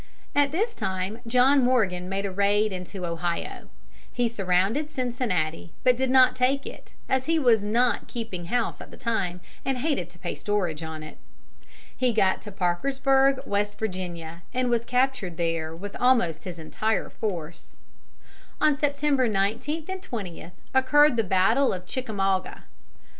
At this time John Morgan made a raid into Ohio. He surrounded Cincinnati, but did not take it, as he was not keeping house at the time and hated to pay storage on it. He got to Parkersburg, West Virginia, and was captured there with almost his entire force. On September 19 and 20 occurred the battle of Chickamauga.